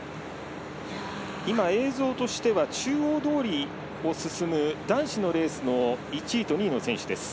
映像としては中央通を進む男子のレースの１位と２位の選手です。